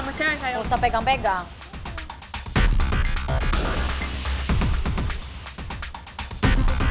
gue gak butuh penjelasan dari lo